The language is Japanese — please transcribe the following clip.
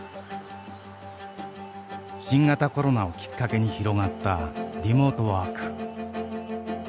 新型コロナをきっかけに広がったリモートワーク。